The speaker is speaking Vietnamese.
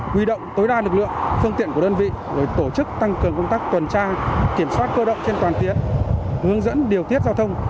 huy động tối đa lực lượng phương tiện của đơn vị rồi tổ chức tăng cường công tác tuần tra kiểm soát cơ động trên toàn tuyến hướng dẫn điều tiết giao thông